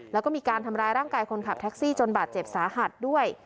แล้วก็มีการทำร้ายร่างกายคนขับแท็กซี่จนบาดเจ็บสาหัสด้วย